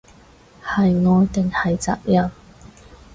係愛定係責任